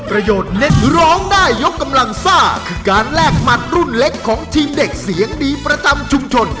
ประโยชน์เน็ตร้องได้ยกกำลังซ่าคือการแลกหมัดรุ่นเล็กของทีมเด็กเสียงดีประจำชุมชน